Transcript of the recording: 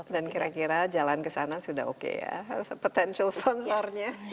dan kira kira jalan ke sana sudah oke ya potential sponsornya